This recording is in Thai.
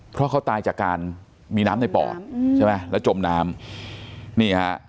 เพราะเขาตายจากการมีน้ำในป่อใช่ไหมแล้วจมน้ำนี่ฮะ